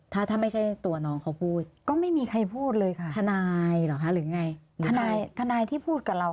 ถ้าถ้าไม่ใช่ตัวน้องเขาพูดก็ไม่มีใครพูดเลยค่ะทนายเหรอคะหรือไงทนายทนายที่พูดกับเรา